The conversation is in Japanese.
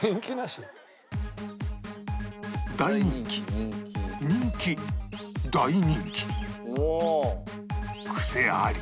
「大人気」「人気」「大人気」「癖あり」